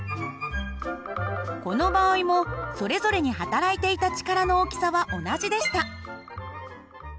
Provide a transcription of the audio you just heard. この場合もそれぞれにはたらいていた力の大きさは同じでした。